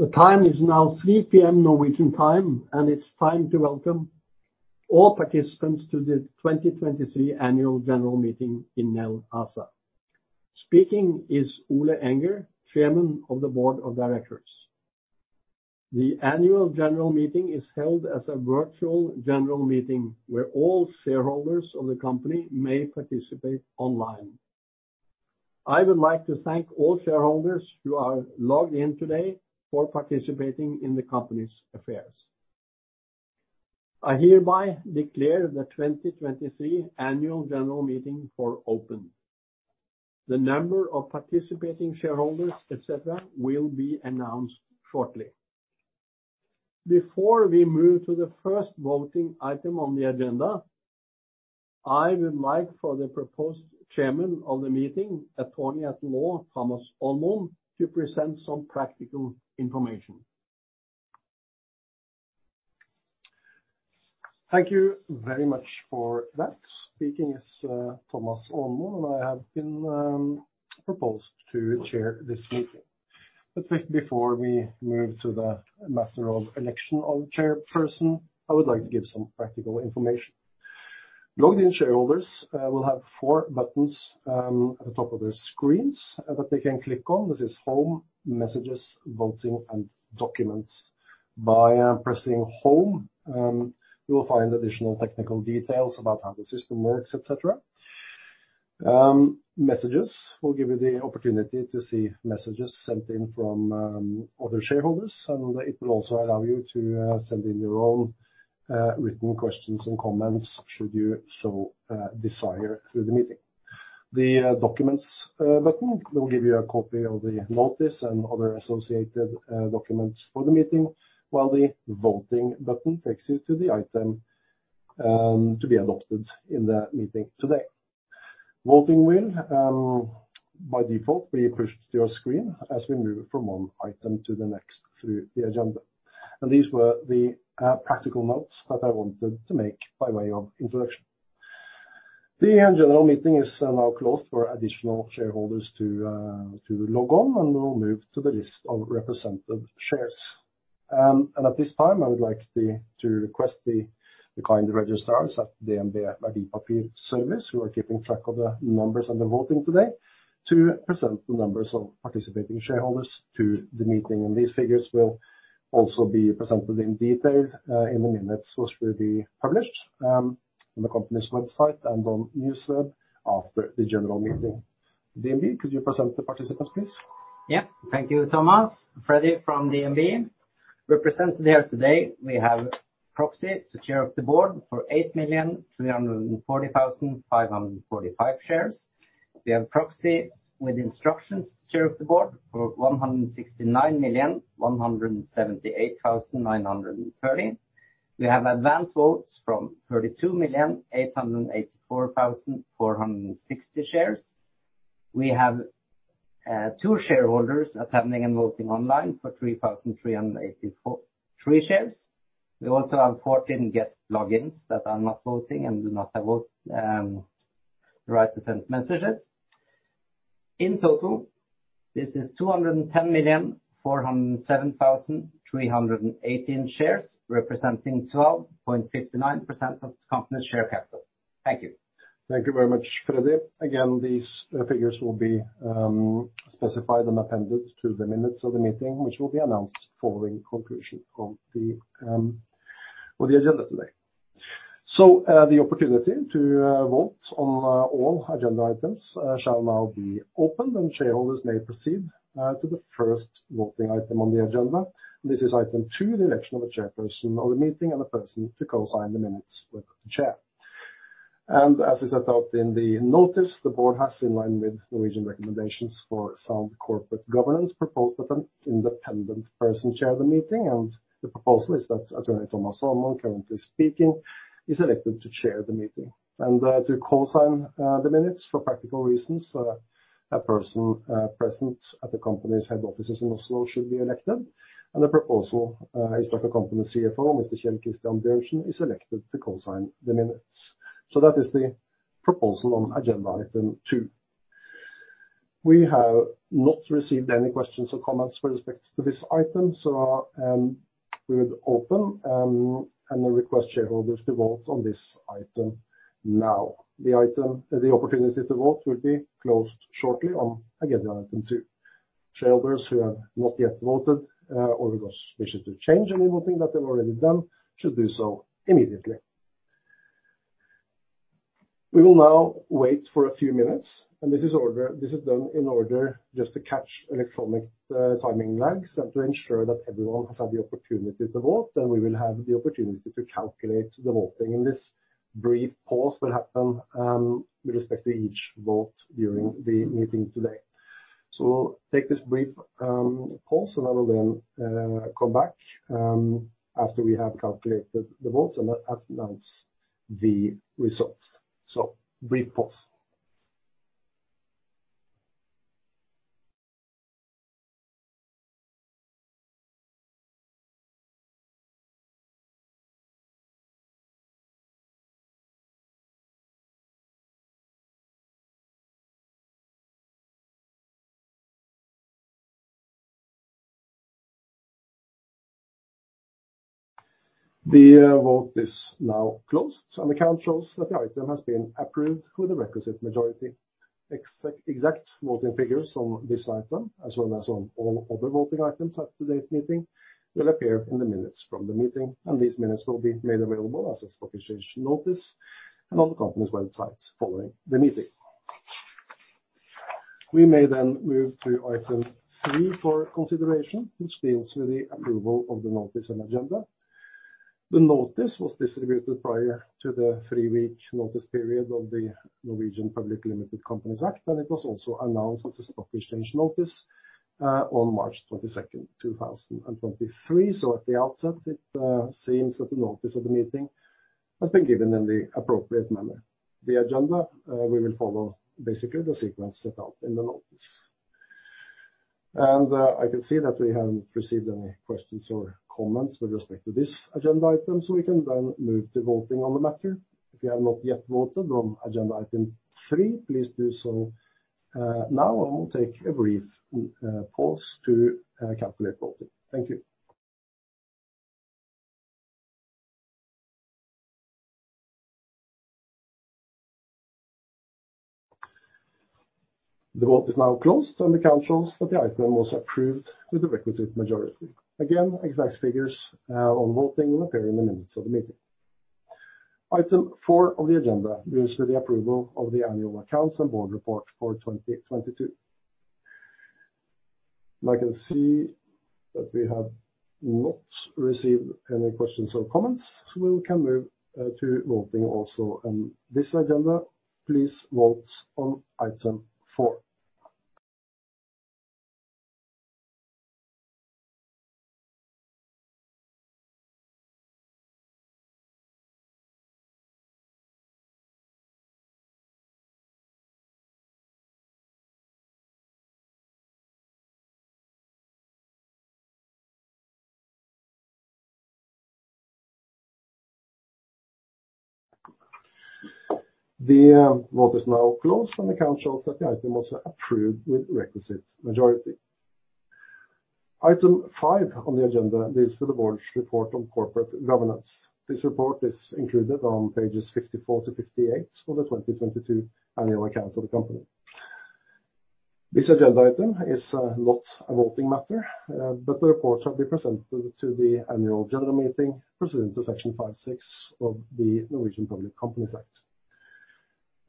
The time is now 3:00 P.M. Norwegian time, and it's time to welcome all participants to the 2023 Annual General Meeting in Nel ASA. Speaking is Ole Enger, Chairman of the Board of Directors. The Annual General Meeting is held as a virtual general meeting where all shareholders of the company may participate online. I would like to thank all shareholders who are logged in today for participating in the company's affairs. I hereby declare the 2023 Annual General Meeting for open. The number of participating shareholders, et cetera., will be announced shortly. Before we move to the first voting item on the agenda, I would like for the proposed chairman of the meeting, attorney at law Thomas Aanmoen, to present some practical information. Thank you very much for that. Speaking is Thomas Aanmoen, and I have been proposed to chair this meeting. Before we move to the matter of election of chairperson, I would like to give some practical information. Logged-in shareholders will have four buttons at the top of their screens that they can click on. This is Home, Messages, Voting, and Documents. By pressing Home, you will find additional technical details about how the system works, et cetera. Messages will give you the opportunity to see messages sent in from other shareholders, and it will also allow you to send in your own written questions and comments should you so desire through the meeting. The Documents button will give you a copy of the notice and other associated documents for the meeting, while the Voting button takes you to the item to be adopted in the meeting today. Voting will by default be pushed to your screen as we move from one item to the next through the agenda. These were the practical notes that I wanted to make by way of introduction. The general meeting is now closed for additional shareholders to log on, and we will move to the list of represented shares. At this time, I would like to request the kind registrars at DNB Verdipapir Service, who are keeping track of the numbers and the voting today, to present the numbers of participating shareholders to the meeting. These figures will also be presented in detail in the minutes which will be published on the company's website and on NewsWeb after the general meeting. DNB, could you present the participants, please? Yeah, thank you, Thomas. Freddie from DNB. We're presented here today. We have proxy, the Chair of the Board, for 8,340,545 shares. We have proxy with instructions to Chair of the Board for 169,178,930. We have advance votes from 32,884,460 shares. We have two shareholders attending and voting online for 3,383 shares. We also have 14 guest logins that are not voting and do not have the right to send messages. In total, this is 210,407,318 shares, representing 12.59% of the company's share capital. Thank you. Thank you very much, Freddie. Again, these figures will be specified and appended to the minutes of the meeting, which will be announced following conclusion of the agenda today. The opportunity to vote on all agenda items shall now be opened, and shareholders may proceed to the 1st voting item on the agenda. This is item two, the election of a chairperson of the meeting and a person to co-sign the minutes with the chair. As is set out in the notice, the board has, in line with Norwegian recommendations for sound corporate governance, proposed that an independent person chair the meeting. The proposal is that attorney Thomas Aanmoen, currently speaking, is elected to chair the meeting. To co-sign the minutes, for practical reasons, a person present at the company's head offices in Oslo should be elected. The proposal is that the company's CFO, Mr. Kjell Christian Bjørnsen, is elected to co-sign the minutes. That is the proposal on agenda item two. We have not received any questions or comments with respect to this item. We would open and request shareholders to vote on this item now. The opportunity to vote will be closed shortly on agenda item two. Shareholders who have not yet voted or wish to change any voting that they've already done should do so immediately. We will now wait for a few minutes, and this is done in order just to catch electronic timing lags and to ensure that everyone has had the opportunity to vote, and we will have the opportunity to calculate the voting. This brief pause will happen with respect to each vote during the meeting today. We'll take this brief pause, and I will then come back after we have calculated the votes and announce the results. Brief pause. The vote is now closed, and the council says the item has been approved with a requisite majority. Exact voting figures on this item, as well as on all other voting items at today's meeting, will appear in the minutes from the meeting. These minutes will be made available as a stock exchange notice and on the company's website following the meeting. We may then move to item three for consideration, which deals with the approval of the notice and agenda. The notice was distributed prior to the three-week notice period of the Norwegian Public Limited Companies Act, and it was also announced as a stock exchange notice on March 22nd, 2023. At the outset, it seems that the notice of the meeting has been given in the appropriate manner. The agenda, we will follow basically the sequence set out in the notice. I can see that we haven't received any questions or comments with respect to this agenda item. We can then move to voting on the matter. If you have not yet voted on agenda item three, please do so now, and we'll take a brief. Pause to calculate voting. Thank you. The vote is now closed, and the council says that the item was approved with a requisite majority. Again, exact figures on voting will appear in the minutes of the meeting. Item four of the agenda deals with the approval of the annual accounts and board report for 2022. I can see that we have not received any questions or comments. We can move to voting also on this agenda. Please vote on item four. The vote is now closed, and the council says the item was approved with a requisite majority. Item five on the agenda deals with the board's report on corporate governance. This report is included on pages 54-58 of the 2022 annual accounts of the company. This agenda item is not a voting matter, but the report shall be presented to the annual general meeting pursuant to Section 5(6) of the Norwegian Public Companies Act.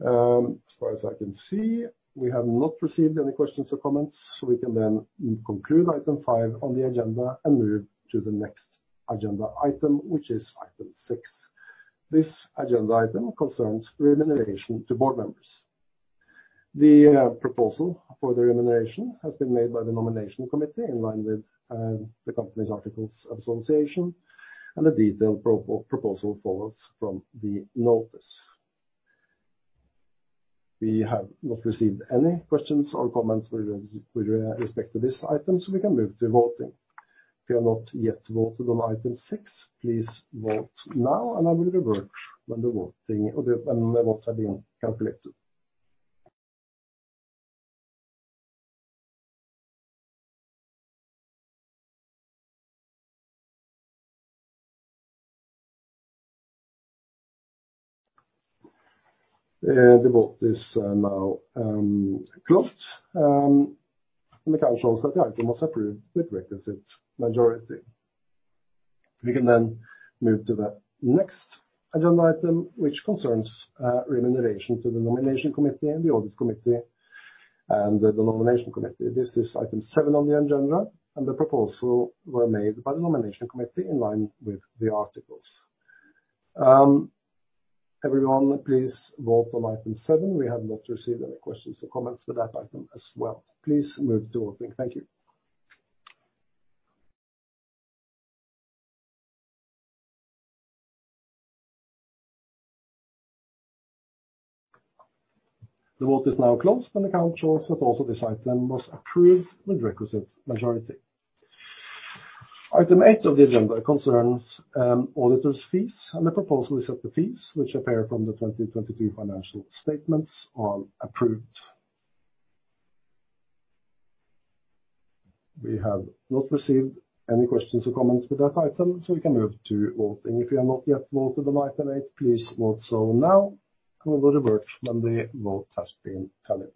As far as I can see, we have not received any questions or comments. We can then conclude item five on the agenda and move to the next agenda item, which is item six. This agenda item concerns remuneration to board members. The proposal for the remuneration has been made by the nomination committee in line with the company's articles of association, and a detailed proposal follows from the notice. We have not received any questions or comments with respect to this item, so we can move to voting. If you have not yet voted on item six, please vote now, and I will revert when the votes have been calculated. The vote is now closed. The council says the item was approved with a requisite majority. We can then move to the next agenda item, which concerns remuneration to the nomination committee and the audit committee and the nomination committee. This is item seven on the agenda, and the proposal was made by the nomination committee in line with the articles. Everyone, please vote on item seven. We have not received any questions or comments for that item as well. Please move to voting. Thank you. The vote is now closed, and the council says also this item was approved with a requisite majority. Item eight of the agenda concerns auditors' fees, and the proposal is that the fees which appear from the 2022 financial statements are approved. We have not received any questions or comments for that item, so we can move to voting. If you have not yet voted on item eight, please vote so now, and we will revert when the vote has been counted.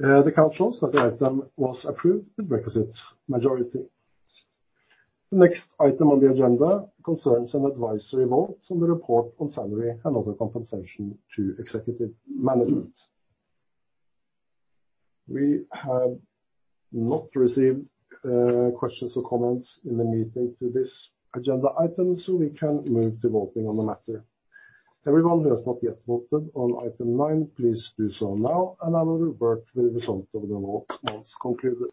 The council says the item was approved with a requisite majority. The next item on the agenda concerns an advisory vote on the report on salary and other compensation to executive management. We have not received questions or comments in the meeting to this agenda item, so we can move to voting on the matter. Everyone who has not yet voted on item nine, please do so now, and I will revert with the result of the vote once concluded.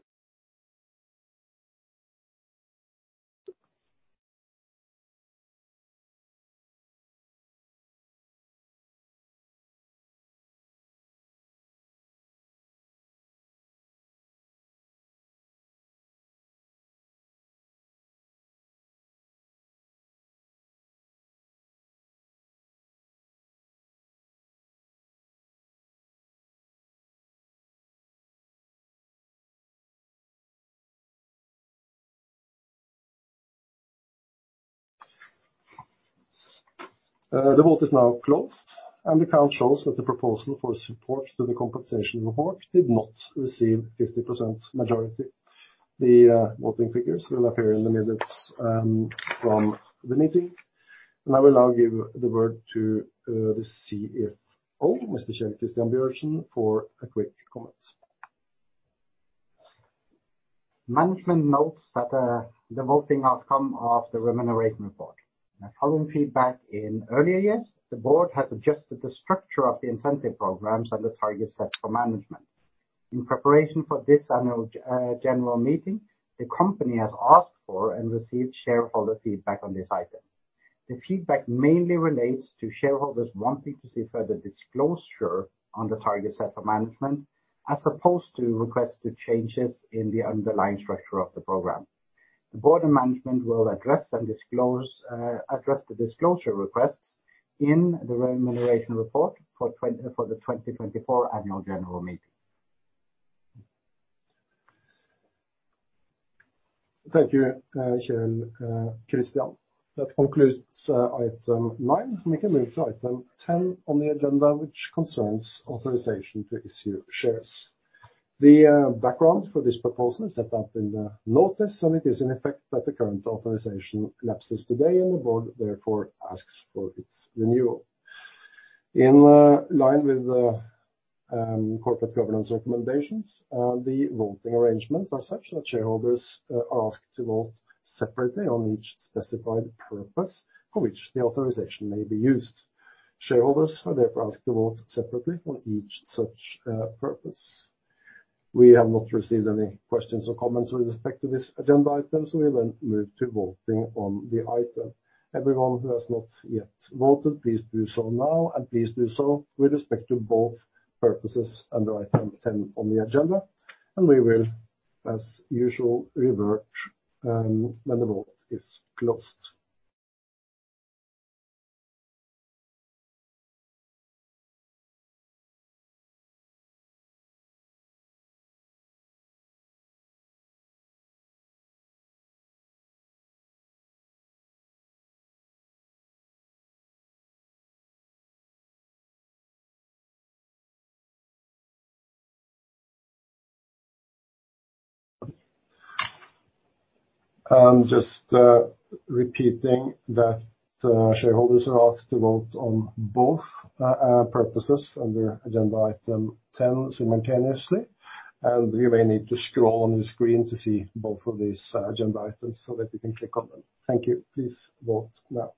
The vote is now closed, and the council says that the proposal for support to the compensation report did not receive a 50% majority. The voting figures will appear in the minutes from the meeting. I will now give the word to the CFO, Mr. Kjell Christian Bjørnsen, for a quick comment. Management notes that the voting has come after the remuneration report. Following feedback in earlier years, the Board has adjusted the structure of the incentive programs and the targets set for management. In preparation for this Annual General Meeting, the company has asked for and received shareholder feedback on this item. The feedback mainly relates to shareholders wanting to see further disclosure on the targets set for management as opposed to requests to changes in the underlying structure of the program. The Board and management will address the disclosure requests in the remuneration report for the 2024 Annual General Meeting. Thank you, Kjell Christian. That concludes item nine. We can move to item 10 on the agenda, which concerns authorization to issue shares. The background for this proposal is set out in the notice, and it is in effect that the current authorization lapses today, and the board therefore asks for its renewal. In line with corporate governance recommendations, the voting arrangements are such that shareholders are asked to vote separately on each specified purpose for which the authorization may be used. Shareholders are therefore asked to vote separately on each such purpose. We have not received any questions or comments with respect to this agenda item, so we will then move to voting on the item. Everyone who has not yet voted, please do so now, and please do so with respect to both purposes under item 10 on the agenda. We will, as usual, revert when the vote is closed. Just repeating that shareholders are asked to vote on both purposes under agenda item 10 simultaneously, and you may need to scroll on your screen to see both of these agenda items so that you can click on them. Thank you. Please vote now.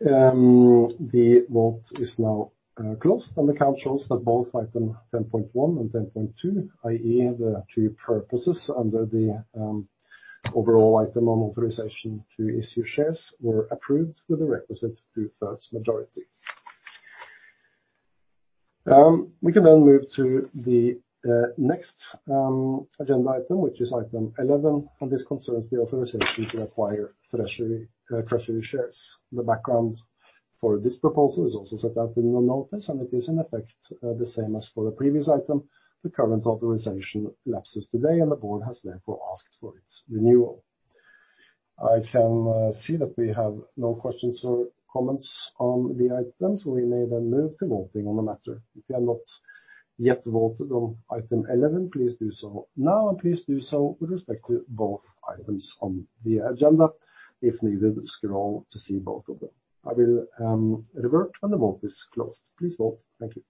The vote is now closed, and the council says that both items 10.1 and 10.2, i.e., the two purposes under the overall item on authorization to issue shares, were approved with a requisite 2/3 majority. We can then move to the next agenda item, which is item 11, and this concerns the authorization to acquire treasury shares. The background for this proposal is also set out in the notice, and it is in effect the same as for the previous item. The current authorization lapses today, and the board has therefore asked for its renewal. I can see that we have no questions or comments on the item, so we may then move to voting on the matter. If you have not yet voted on item 11, please do so now, and please do so with respect to both items on the agenda. If needed, scroll to see both of them. I will revert when the vote is closed. Please vote. Thank you.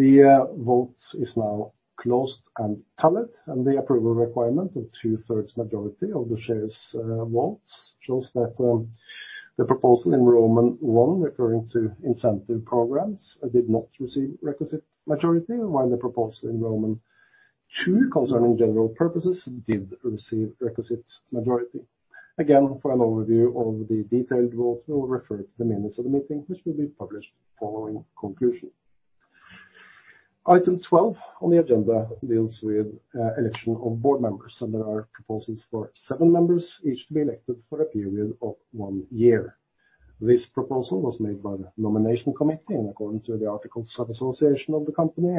The vote is now closed and tallied, and the approval requirement of 2/3 majority of the shares votes shows that the proposal in Roman one, referring to incentive programs, did not receive requisite majority, while the proposal in Roman two concerning general purposes did receive requisite majority. Again, for an overview of the detailed vote, we will refer to the minutes of the meeting, which will be published following conclusion. Item 12 on the agenda deals with the election of board members, and there are proposals for seven members, each to be elected for a period of one year. This proposal was made by the nomination committee, and according to the Articles of Association of the company,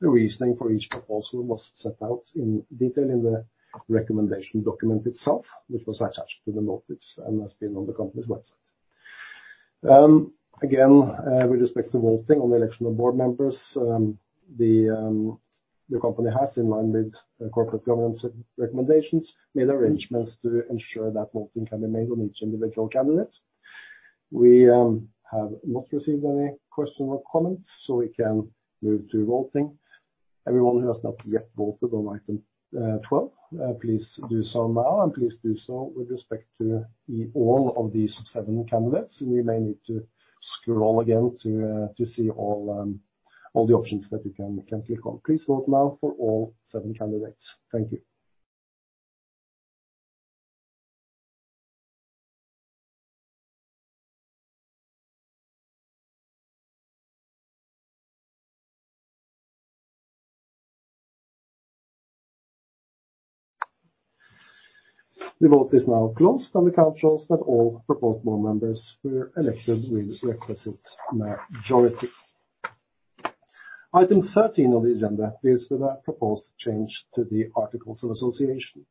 the reasoning for each proposal was set out in detail in the recommendation document itself, which was attached to the notice and has been on the company's website. Again, with respect to voting on the election of board members, the company has, in line with corporate governance recommendations, made arrangements to ensure that voting can be made on each individual candidate. We have not received any questions or comments, so we can move to voting. Everyone who has not yet voted on item 12, please do so now, and please do so with respect to all of these seven candidates. You may need to scroll again to see all the options that you can click on. Please vote now for all seven candidates. Thank you. The vote is now closed, and the council says that all proposed board members were elected with a requisite majority. Item 13 of the agenda deals with a proposed change to the Articles of Association.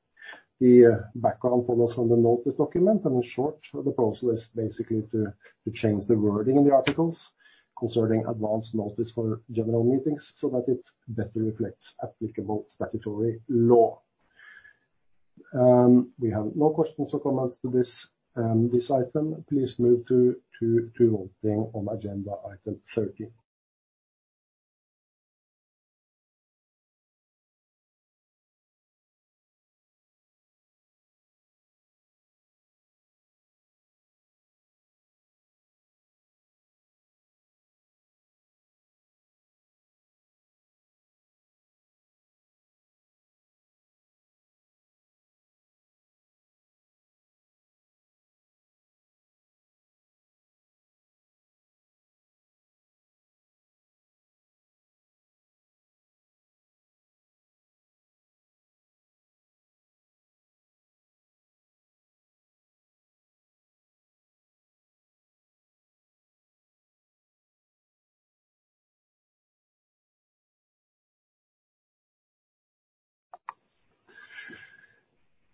The background follows from the notice document, and in short, the proposal is basically to change the wording in the articles concerning advance notice for general meetings so that it better reflects applicable statutory law. We have no questions or comments to this item. Please move to voting on agenda item 13.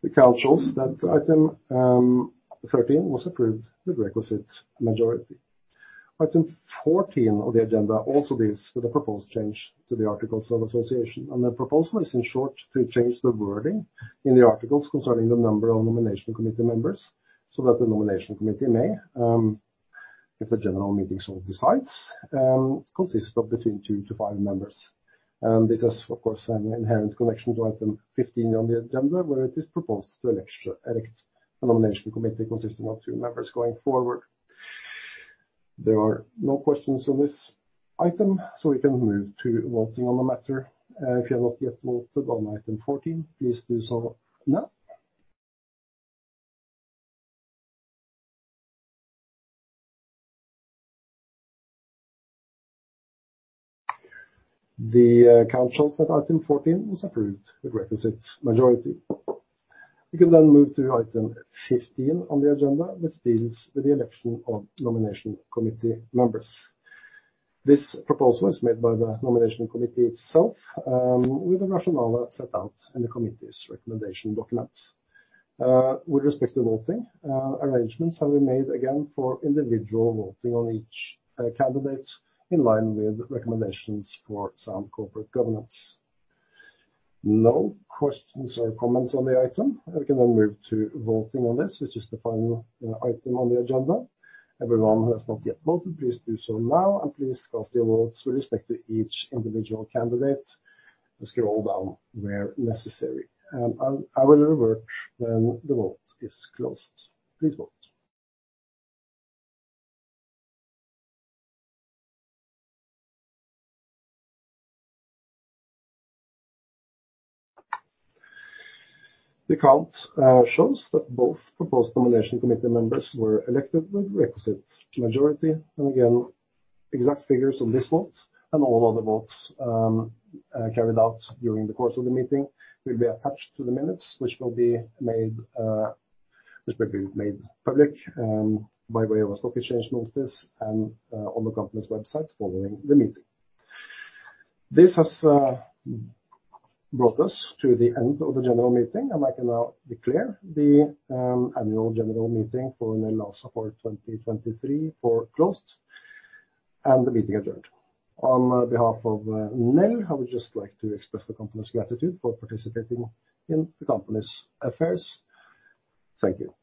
The council says that item 13 was approved with a requisite majority. Item 14 of the agenda also deals with a proposed change to the Articles of Association. The proposal is, in short, to change the wording in the articles concerning the number of nomination committee members so that the nomination committee may, if the general meeting so decides, consist of between two to five members. This has, of course, an inherent connection to item 15 on the agenda, where it is proposed to elect a nomination committee consisting of two members going forward. There are no questions on this item, so we can move to voting on the matter. If you have not yet voted on item 14, please do so now. The council says that item 14 was approved with a requisite majority. We can then move to item 15 on the agenda, which deals with the election of nomination committee members. This proposal is made by the nomination committee itself, with a rationale set out in the committee's recommendation document. With respect to voting, arrangements have been made again for individual voting on each candidate in line with recommendations for some corporate governance. No questions or comments on the item. We can then move to voting on this, which is the final item on the agenda. Everyone who has not yet voted, please do so now, and please cast your votes with respect to each individual candidate. Scroll down where necessary. I will revert when the vote is closed. Please vote. The count shows that both proposed nomination committee members were elected with a requisite majority. Again, exact figures on this vote and all other votes carried out during the course of the meeting will be attached to the minutes, which will be made public by way of a stock exchange notice and on the company's website following the meeting. This has brought us to the end of the general meeting, and I can now declare the annual general meeting for Nel ASA 2023 closed and the meeting adjourned. On behalf of Nel, I would just like to express the company's gratitude for participating in the company's affairs. Thank you.